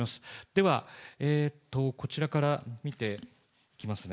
ではこちらから見ていきますね。